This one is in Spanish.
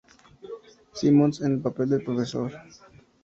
Simmons en el papel del profesor.